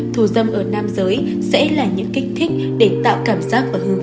thù dâm ở nam giới sẽ là những kích thích để tạo cảm giác